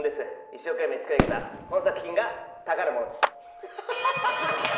一生懸命作り上げたこの作品が宝物です。